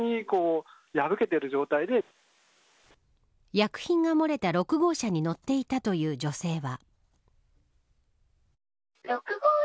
薬品が漏れた６号車に乗っていたという女性は。